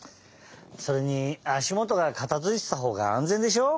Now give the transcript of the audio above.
それにあしもとがかたづいてたほうがあんぜんでしょ？